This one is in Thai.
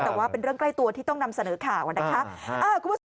แต่ว่าเป็นเรื่องใกล้ตัวที่ต้องนำเสนอข่าวนะคะคุณผู้ชม